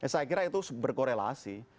saya kira itu berkorelasi